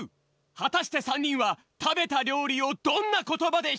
はたして３にんはたべたりょうりをどんなことばでひょうげんするのか？